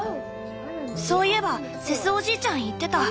そういえばセスおじいちゃん言ってた。